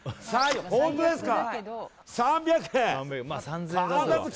本当ですか。